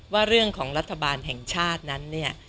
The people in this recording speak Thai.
ว่าเรื่องของรัฐบาลแห่งชาตินั้นเนี่ย